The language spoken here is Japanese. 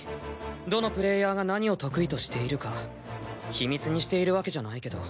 どのプレイヤーが何を得意としているか秘密にしているわけじゃないけど。